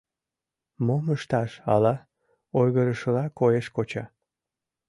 Мом ышташ, ала... — ойгырышыла коеш коча.